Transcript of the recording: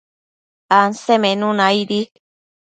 Ansemenuna aidi